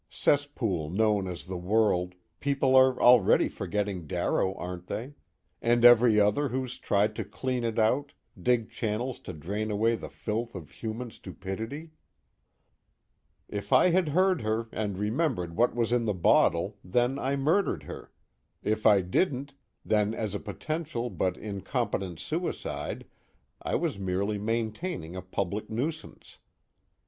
Cesspool known as the world people are already forgetting Darrow, aren't they? and every other who's tried to clean it out, dig channels to drain away the filth of human stupidity?_) _If I heard her and remembered what was in the bottle, then I murdered her. If I didn't, then as a potential but incompetent suicide I was merely maintaining a public nuisance.